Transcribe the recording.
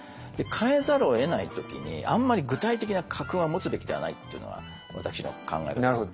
変えざるをえない時にあんまり具体的な家訓は持つべきではないっていうのは私の考え方です。